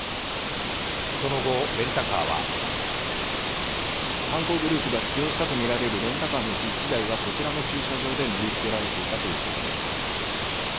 その後、レンタカーは犯行グループが使用したとみられるレンタカーのうち１台がこちらの駐車場で乗り捨てられていたということです。